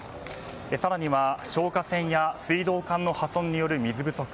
更には消火栓や水道管の破損による水不足。